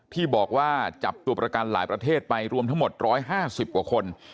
ที่บอกว่าจับตัวประกันหลายประเทศไปรวมทั้งหมด๑๕๐กว่าคน